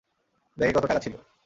ব্যাগে কত টাকা ছিল?